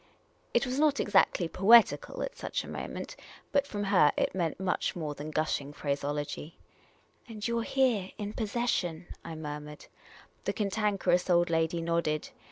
" It was not exactly poetical at such a moment, but from her it meant more than much gushing phraseology. " And you 're here in possession !" I murmured. The Cantankerous Old Lady nodded.